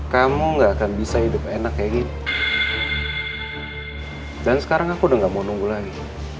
kamu gak akan bisa hidup enak kayak gini dan sekarang aku udah gak mau nunggu lagi